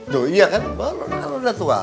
duh iya kan pak rono kan sudah tua